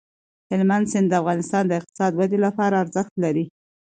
هلمند سیند د افغانستان د اقتصادي ودې لپاره ارزښت لري.